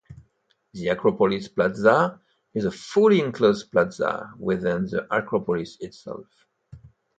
The Acropolis Plaza is a fully enclosed plaza within the acropolis itself.